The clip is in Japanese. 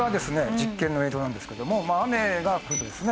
実験の映像なんですけども雨が降るとですね